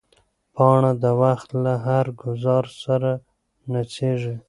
پاڼه د وخت له هر ګوزار سره نڅېږي.